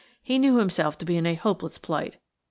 He knew himself to be in a hopeless plight.